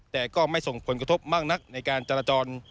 แต่ก็ไม่ส่งผลกระทบมากนักในการจราจร